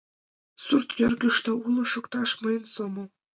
Сурт кӧргыштӧ уло шукташ мыйын сомыл